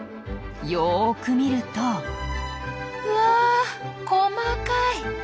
よく見るとうわ細かい！